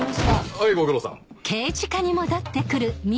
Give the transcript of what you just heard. はいご苦労さん。